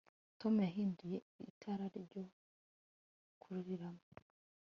Tom yahinduye itara ryo kuriramo